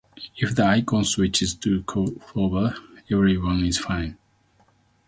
If the icon switches to a clover, everything is fine.